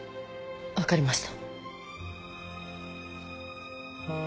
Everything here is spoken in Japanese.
分かりました。